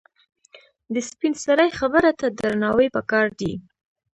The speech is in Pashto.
د سپینسرې خبره ته درناوی پکار دی.